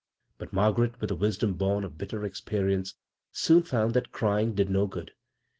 But Margaret, with a wisdom bom of bitter experience, soon found that crying did no good.